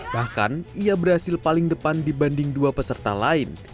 bahkan ia berhasil paling depan dibanding dua peserta lain